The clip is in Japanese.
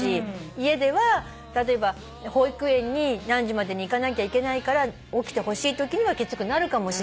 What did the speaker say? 家では例えば保育園に何時までに行かなきゃいけないから起きてほしいときにはきつくなるかもしれないし。